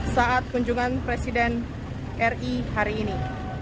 saat kunjungan presiden ri hari ini